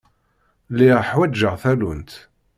Lliɣ ḥwaǧeɣ tallunt.